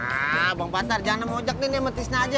ah bang patar jangan mau ojak nenek sama tisnya aja